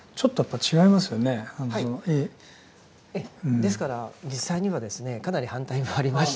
ですから実際にはですねかなり反対もありまして。